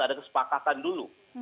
ada kesepakatan dulu